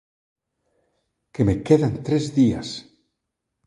Que me quedan tres días.